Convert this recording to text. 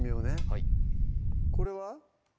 はいこれは？